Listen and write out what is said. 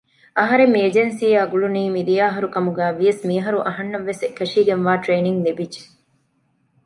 އަހަރެން މި އެޖެންސީއާ ގުޅުނީ މިދިޔަ އަހަރު ކަމުގައިވިޔަސް މިހާރު އަހަންނަށްވެސް އެކަށީގެންވާ ޓްރެއިނިންގް ލިބިއްޖެ